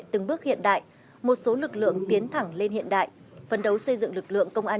từng bước hiện đại một số lực lượng tiến thẳng lên hiện đại phấn đấu xây dựng lực lượng công an